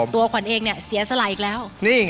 ตัวขวัญเองเขียนสลายอีกแล้ว